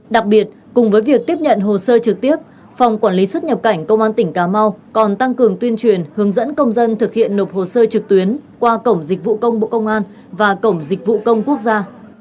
đặc biệt cùng với việc tiếp nhận hồ sơ trực tiếp phòng quản lý xuất nhập cảnh công an tỉnh cà mau còn tăng cường tuyên truyền hướng dẫn công dân thực hiện nộp hồ sơ trực tuyến qua cổng dịch vụ công bộ công an và cổng dịch vụ công quốc gia